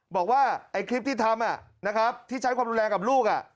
บอกว่าไอ้คลิปที่ทำนะครับที่ใช้ความรุนแรงกับลูก